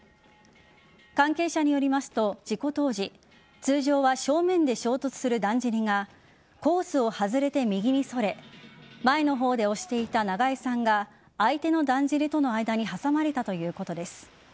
関係者によりますと事故当時通常は正面で衝突するだんじりがコースを外れて右にそれ前の方で押していた長江さんが相手のだんじりとの間に挟まれたということです。